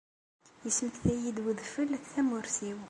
Yesmektay-iyi-d wedfel tamurt-iw.